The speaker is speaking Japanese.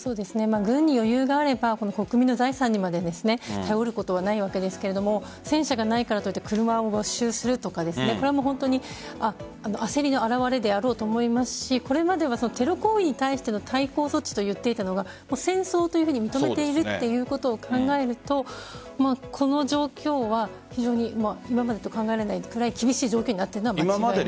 軍に余裕があれば国民の財産にまで頼ることはないわけですが戦車がないからといって車を没収するとかこれは本当に焦りの表れであろうと思いますしこれまではテロ行為に対しての対抗措置と言っていたのが戦争というふうに認めているということを考えるとこの状況は非常に今までと考えられないくらい厳しい状況になっているのは間違いない。